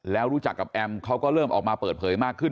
แล้วรู้จักกับแอมเขาก็เริ่มออกมาเปิดเผยมากขึ้น